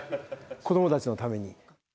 子どもたちのために。